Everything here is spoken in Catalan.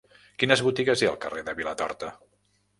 Quines botigues hi ha al carrer de Vilatorta?